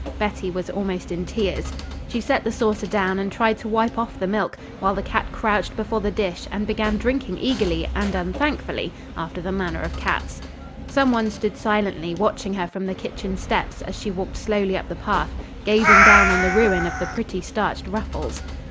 Betty was almost in tears. She set the saucer down and tried to wipe off the milk, while the cat crouched before the dish and began drinking eagerly and unthankfully, after the manner of cats. Some one stood silently watching her from the kitchen steps as she walked slowly up the path, gazing down on the ruin of the pretty starched ruffles.